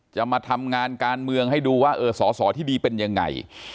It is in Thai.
จะมาทำงานการเมืองให้ดูว่าเออสอสอที่ดีเป็นยังไง